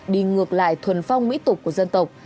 đi ngược lại thuần phong mỹ tục của dân tộc